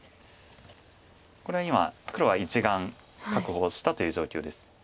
これは今黒は１眼確保したという状況です。